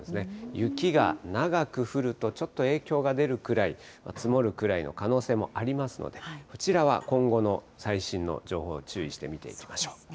雪が長く降ると、ちょっと影響が出るくらい、積もるくらいの可能性もありますので、こちらは今後の最新の情報、注意して見ていきましょう。